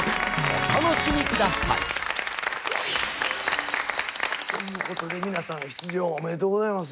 お楽しみ下さい！ということで皆さん出場おめでとうございます。